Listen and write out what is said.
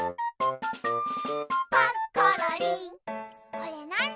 これなに？